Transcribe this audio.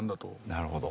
なるほど。